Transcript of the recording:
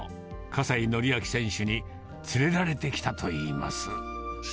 葛西紀明選手に連れられてきたといいます。